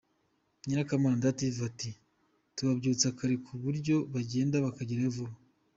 Nyirakamana Dative ati "Tubabyutsa kare ku buryo bagenda bakagerayo vuba.